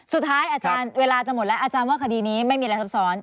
อาจารย์เวลาจะหมดแล้วอาจารย์ว่าคดีนี้ไม่มีอะไรทับซ้อน